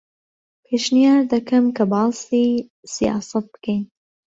پێشنیار دەکەم کە باسی سیاسەت بکەین.